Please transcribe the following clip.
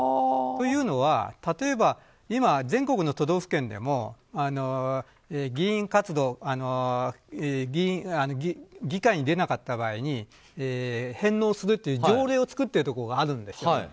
というのは、例えば今、全国の都道府県でも議会に出なかった場合に返納するという条例を作っているところがあるんです。